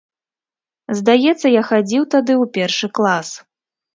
Здаецца, я хадзіў тады ў першы клас.